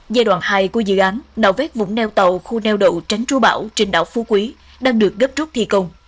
giai đoạn hai của dự án nạo vết vùng neo tàu khu neo đậu tránh tru bảo trên đảo phú quý đang được gấp trúc thi công